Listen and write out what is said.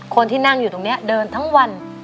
คนที่นั่งอยู่ตรงนี้เดินทั้งวัน